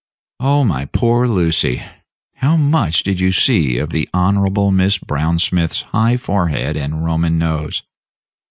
Oh, my poor Lucy! how much did you see of the Honorable Miss Brownsmith's high forehead and Roman nose?